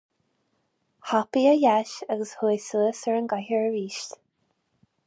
Thapaigh a dheis agus chuaigh suas ar an gcathaoir arís.